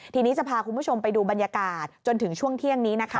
ทีนี้จะพาคุณผู้ชมไปดูบรรยากาศจนถึงช่วงเที่ยงนี้นะคะ